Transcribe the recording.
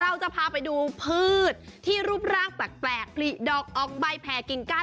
เราจะพาไปดูพืชที่รูปร่างแปลกผลิดอกออกใบแผ่กิ่งกั้น